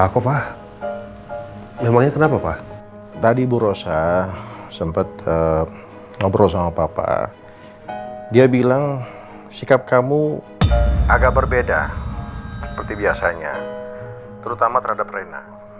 kebenaran dia akan cuma berimpa konsisten